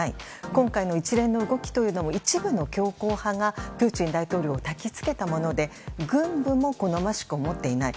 今回の一連の動きも一部の強硬派がプーチン大統領をたきつけたもので軍部も好ましく思っていない。